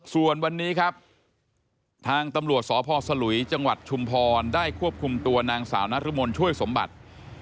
ส่วนวันนี้ครับทางตำรวจสพสลุยจังหวัดชุมพรได้ควบคุมตัวนางสาวนรมนช่วยสมบัติ